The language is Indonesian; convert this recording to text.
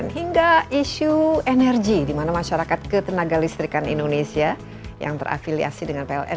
hingga isu energi di mana masyarakat ketenaga listrikan indonesia yang terafiliasi dengan pln